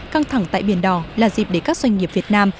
căng thẳng tại biển đỏ là dịp để các doanh nghiệp việt nam